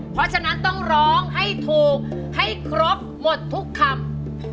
เพราะฉะนั้นต้องร้องให้ถูกให้ครบหมดทุกคำ